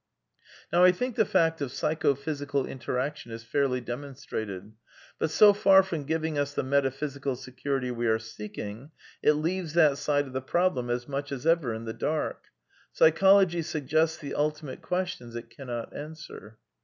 Now I think the fact of psycho physical interaction is fairly demonstrated. But so far from giving us the meta V^ physical security we are seeking, it leaves that side of ther^ problem as much as ever in the dark. Psychology suggests the ultimate questions it cannot answer.